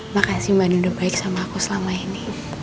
makasih mbak nunda baik sama aku selama ini